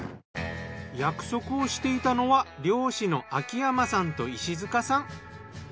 約束をしていたのは漁師の秋山さんと石塚さん。